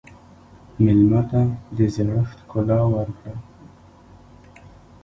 مېلمه ته د زړښت ښکلا ورکړه.